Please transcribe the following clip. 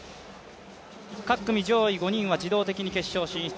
各組上位５人は自動的に決勝進出。